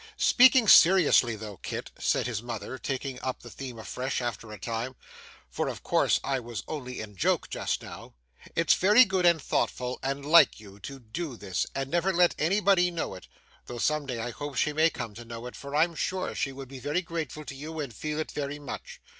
'Speaking seriously though, Kit,' said his mother, taking up the theme afresh, after a time, 'for of course I was only in joke just now, it's very good and thoughtful, and like you, to do this, and never let anybody know it, though some day I hope she may come to know it, for I'm sure she would be very grateful to you and feel it very much.